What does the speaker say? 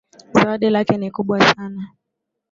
Zawadi lake ni kubwa sana.